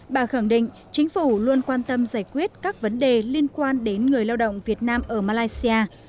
bà khẳng định chính phủ luôn quan tâm giải quyết các vấn đề liên quan đến người lao động việt nam ở malaysia